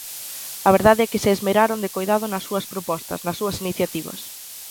A verdade é que se esmeraron de coidado nas súas propostas, nas súas iniciativas.